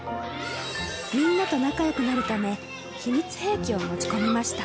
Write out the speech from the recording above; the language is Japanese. みんなと仲よくなるため、秘密兵器を持ち込みました。